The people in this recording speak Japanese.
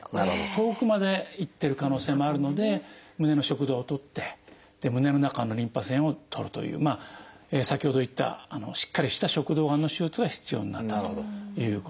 遠くまでいってる可能性もあるので胸の食道を取って胸の中のリンパ節を取るという先ほど言ったしっかりした食道がんの手術が必要になったということですね。